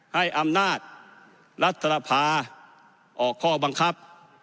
ให้อำนาจรัฐภาออกข้อบังคับ